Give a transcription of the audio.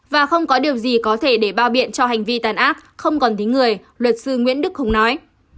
và không có điều gì có thể để bao biện cho hành vi tàn ác không còn tính người luật sư nguyễn đức hùng nói